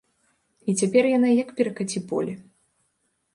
І цяпер яна як перакаці-поле.